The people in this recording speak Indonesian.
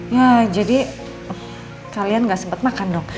ya jadi kalian gak sempet makan dong